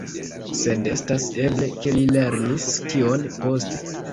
Sed estas eble, ke li lernis tion poste.